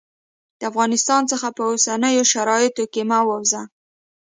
د افغانستان څخه په اوسنیو شرایطو کې مه ووزه.